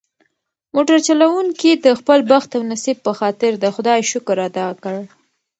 موټر چلونکي د خپل بخت او نصیب په خاطر د خدای شکر ادا کړ.